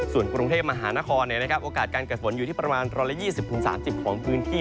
ส่วนกรุงเทพมหานครโอกาสการเกิดฝนอยู่ที่ประมาณ๑๒๐๓๐ของพื้นที่